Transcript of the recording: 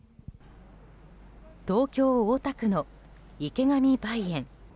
東京・大田区の池上梅園。